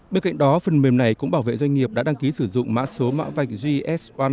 bên cạnh đó phần mềm này cũng bảo vệ doanh nghiệp đã đăng ký sử dụng mã số mã vạch js